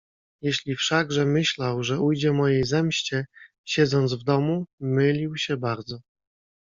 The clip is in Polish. "Jeśli wszakże myślał, że ujdzie mojej zemście, siedząc w domu, mylił się bardzo."